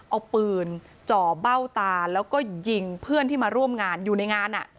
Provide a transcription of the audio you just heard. เอาปืนจ่อเบ้าตาแล้วก็ยิงเพื่อนที่มาร่วมงานอยู่ในงาน